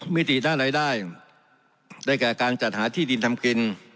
มิติด้านรายได้ได้แก่การจัดหาที่ดินทำกิน